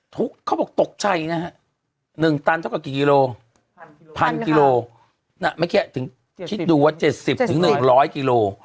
ซึ่งมันเขาบอกตกใจนะฮะ๑ตันเท่ากับกี่กิโลพันกิโลพันค่ะน่ะไม่แค่ถึงคิดดูว่า๗๐ถึง๑๐๐กิโล